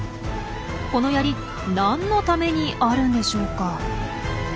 このヤリ何のためにあるんでしょうか？